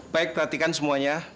baik perhatikan semuanya